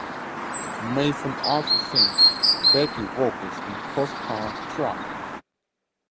Mason also sings backing vocals on "Crosstown Traffic".